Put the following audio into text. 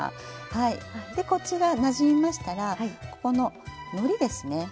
でこちらなじみましたらここののりですね。